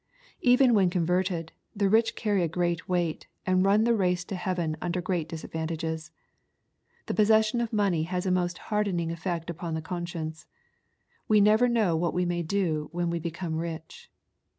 '' Even when converted, the rich carry a great weight, and run the race to heaven under great disadvantages. The possession of money has a most hardening effect upon the conscience. We never know what we may do when we become rich.